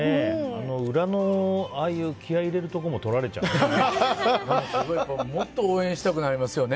裏のああいう気合を入れるところももっと応援したくなりますね。